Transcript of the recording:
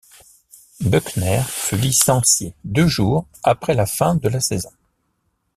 Buckner fut licencié deux jours après la fin de la saison.